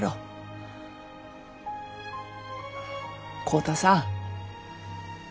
浩太さん